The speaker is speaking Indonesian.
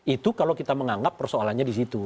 itu kalau kita menganggap persoalannya di situ